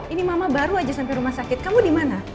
ini mama baru aja sampai rumah sakit kamu di mana